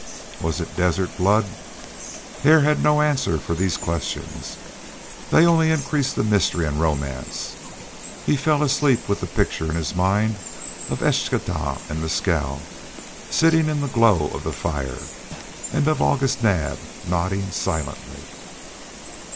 Was it desert blood? Hare had no answers for these questions. They only increased the mystery and romance. He fell asleep with the picture in his mind of Eschtah and Mescal, sitting in the glow of the fire, and of August Naab, nodding silently.